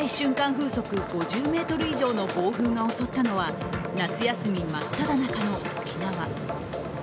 風速５２メートル以上の暴風が襲ったのは夏休み真っただ中の沖縄。